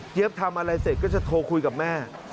ทำอะไรเสร็จก็จะโทรคุยกับแม่